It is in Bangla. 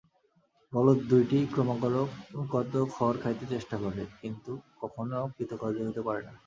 বলদ দুইটি ক্রমাগত খড় খাইতে চেষ্টা করে, কিন্তু কখনও কৃতকার্য হইতে পারে না।